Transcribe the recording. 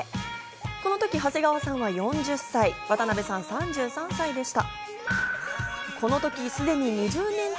このとき長谷川さんは４０歳、渡辺さん３３歳でした。